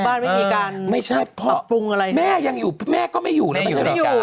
บ้านไม่มีการอับปรุงอะไรเนี่ยแม่ยังอยู่แม่ก็ไม่อยู่เลยไม่ใช่เหลือการ